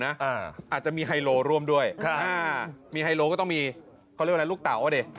อาจจะมีไฮโลร่วมด้วยมีไฮโลก็ต้องมีลูกเตา